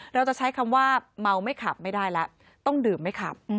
เราจะใช้คำว่าเมาไม่ขับไม่ได้แล้วต้องดื่มไม่ขับ